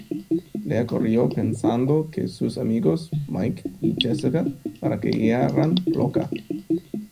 Leah corrió pensando que sus amigos Mike y Jessica la creyeran loca.